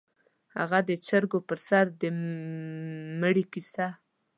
_هغه د چرګو پر سر د مړي کيسه؟